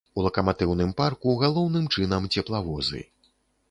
У лакаматыўным парку галоўным чынам цеплавозы.